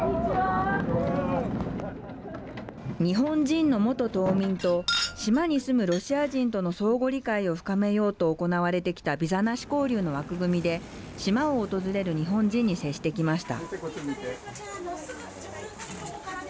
日本人の元島民と島に住むロシア人との相互理解を深めようと行われてきたビザなし交流の枠組みで島を訪れる日本人に接してきました。